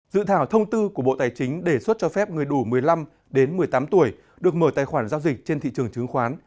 dự thảo thông tư của bộ tài chính đề xuất cho phép người đủ một mươi năm đến một mươi tám tuổi được mở tài khoản giao dịch trên thị trường chứng khoán